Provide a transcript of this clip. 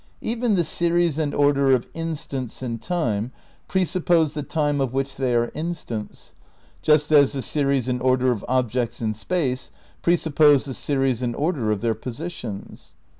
Even the series and order of instants in time presuppose the time of which they are instants, just as the series and order of objects in space presup pose the series and order of their positions.